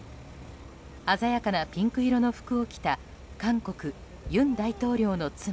鮮やかなピンク色の服を着た韓国・尹大統領の妻